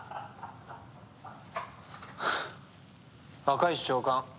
赤石長官